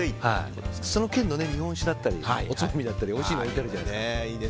その県の日本酒だったりおつまみだったりおいしいのあるじゃないですか。